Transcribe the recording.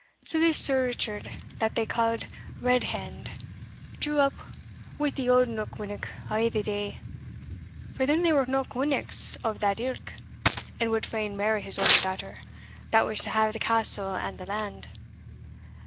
So this Sir Richard, that they ca'd Red hand, drew up wi' the auld Knockwinnock o' that day for then they were Knockwinnocks of that Ilk and wad fain marry his only daughter, that was to have the castle and the land.